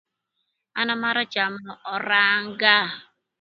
An amarö camö öranga